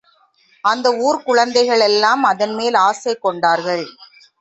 அந்த ஊர்க் குழந்தைகளெல்லாம் அதன்மேல் ஆசை கொண்டார்கள்.